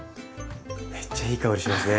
めっちゃいい香りしますね。